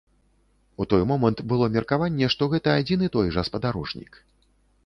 У той момант было меркаванне, што гэта адзін і той жа спадарожнік.